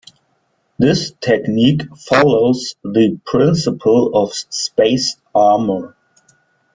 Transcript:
This technique follows the principle of spaced armor.